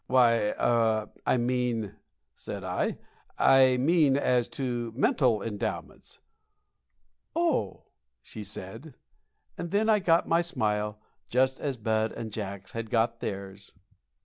"Why er I mean," said I "I mean as to mental endowments." "Oh!" said she; and then I got my smile just as Bud and Jacks had got theirs.